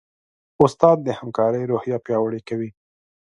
استاد د همکارۍ روحیه پیاوړې کوي.